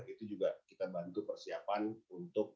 itu juga kita bantu persiapan untuk